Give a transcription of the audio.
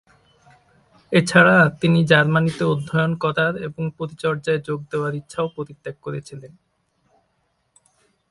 এছাড়া, তিনি জার্মানিতে অধ্যয়ন করার এবং পরিচর্যায় যোগ দেওয়ার ইচ্ছাও পরিত্যাগ করেছিলেন।